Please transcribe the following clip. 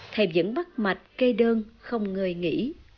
thầy vẫn bắt mạch cây đơn không ngời nghỉ